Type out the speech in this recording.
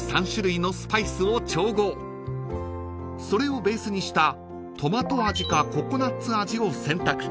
［それをベースにしたトマト味かココナッツ味を選択］